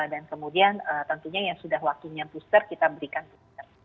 dan kemudian tentunya yang sudah waktunya booster kita berikan booster